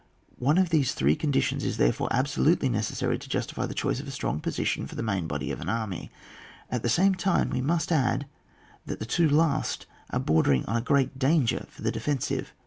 One of these three conditions is there fore absolutely necessary to justify the choice of a strong position for the main body of an army ; at the same time we must add that the two last are bor dering on a great danger for the defen sive.